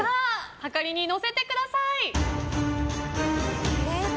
はかりに載せてください。